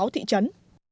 sáu thị trấn